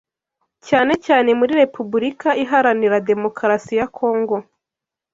cyane cyane muri Repubulika Iharanira Demokarasi ya Congo